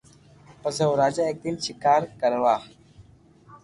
پسي او راجا ايڪ دن ݾڪار ڪروا